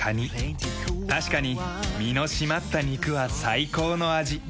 確かに身の締まった肉は最高の味。